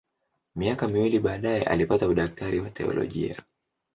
Miaka miwili baadaye alipata udaktari wa teolojia.